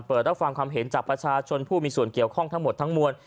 รับฟังความเห็นจากประชาชนผู้มีส่วนเกี่ยวข้องทั้งหมดทั้งมวล